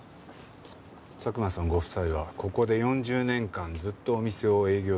佐久間さんご夫妻はここで４０年間ずっとお店を営業してきました。